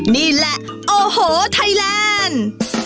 นี่แหละโอ้โหไทยแลนด์